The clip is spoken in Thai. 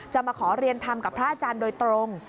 มาขอเรียนทำกับพระอาจารย์โดยตรง